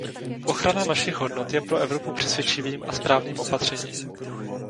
Ochrana našich hodnot je pro Evropu přesvědčivým a správným opatřením!